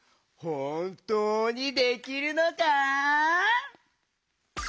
ほんとうにできるのか？